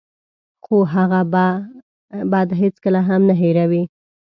خو هغه بد هېڅکله هم نه هیروي.